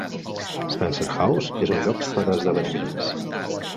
Spencer House és un lloc per a esdeveniments.